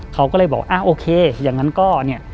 เขาก็เลยบอกอ่าโอเคอย่างนั้นก็เนี่ย